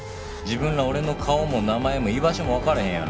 自分ら俺の顔も名前も居場所も分からへん